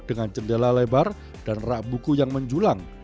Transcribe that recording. dengan jendela lebar dan rak buku yang menjulang